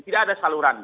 tidak ada saluran